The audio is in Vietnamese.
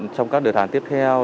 trong các đợt hàn tiếp theo